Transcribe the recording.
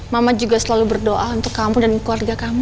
mamat juga selalu berdoa untuk kamu dan keluarga kamu